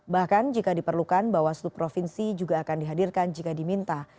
bahkan jika diperlukan bawaslu provinsi juga akan dihadirkan jika diminta